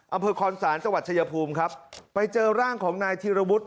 อัมพลครสานจังหวัดชายภูมิครับไปเจอร่างของนายธีรวรรดิ